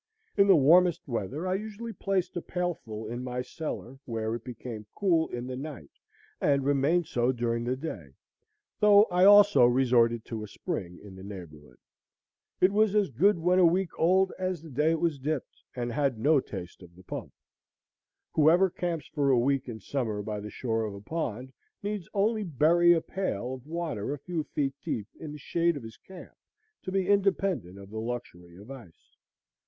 In the warmest weather I usually placed a pailful in my cellar, where it became cool in the night, and remained so during the day; though I also resorted to a spring in the neighborhood. It was as good when a week old as the day it was dipped, and had no taste of the pump. Whoever camps for a week in summer by the shore of a pond, needs only bury a pail of water a few feet deep in the shade of his camp to be independent of the luxury of ice.